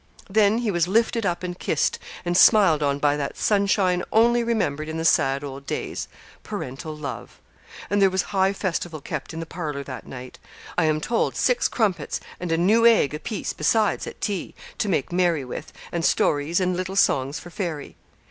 Then he was lifted up and kissed, and smiled on by that sunshine only remembered in the sad old days parental love. And there was high festival kept in the parlour that night. I am told six crumpets, and a new egg apiece besides at tea, to make merry with, and stories and little songs for Fairy.